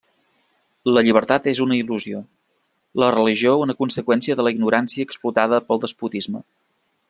La llibertat és una il·lusió, la religió una conseqüència de la ignorància explotada pel despotisme.